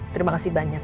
terima kasih banyak